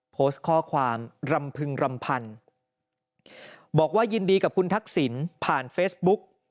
โพสต์ข้อความรำพึงรำพันธ์บอกว่ายินดีกับคุณทักษิณผ่านเฟซบุ๊ก